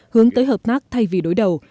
hướng tới hợp tác thay vì đối đầu